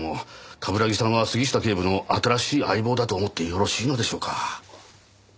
冠城さんは杉下警部の新しい相棒だと思ってよろしいのでしょうか？